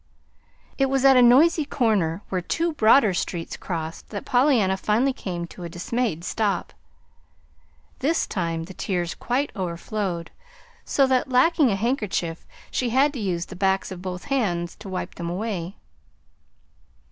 It was at a noisy corner where two broader streets crossed that Pollyanna finally came to a dismayed stop. This time the tears quite overflowed, so that, lacking a handkerchief, she had to use the backs of both hands to wipe them away.